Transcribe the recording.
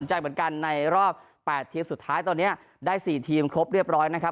ใจเหมือนกันในรอบ๘ทีมสุดท้ายตอนนี้ได้๔ทีมครบเรียบร้อยนะครับ